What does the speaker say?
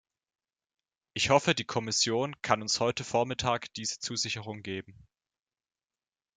Ich hoffe, die Kommission kann uns heute vormittag diese Zusicherung geben.